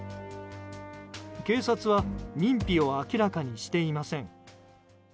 警察は認否を明らかにしていません。